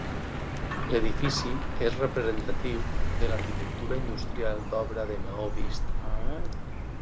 L'edifici és representatiu de l'arquitectura industrial d'obra de maó vist.